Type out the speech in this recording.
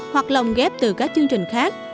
hoặc lồng ghép từ các chương trình khác